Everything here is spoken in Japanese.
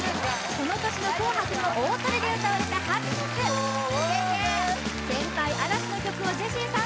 この年の「紅白」の大トリで歌われた「Ｈａｐｐｉｎｅｓｓ」先輩嵐の曲をジェシーさん